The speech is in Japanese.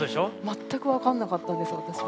全く分かんなかったんです私。